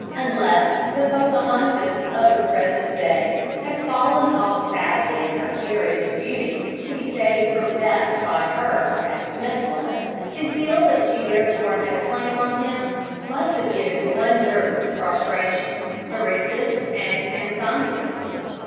] Unless the Pocahontas of the present day has fallen off sadly in her carriage and beauty, to be saved from death by her, as Smith was, and feel that she therefore had a claim on him, must have given one nervous prostration, paresis, and insomnia.